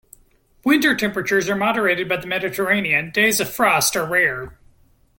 Winter temperatures are moderated by the Mediterranean; days of frost are rare.